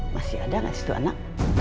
masih ada gak disitu anak